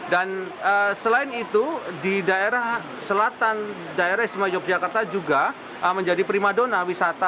dan selain itu di daerah selatan daerah yogyakarta juga menjadi primadona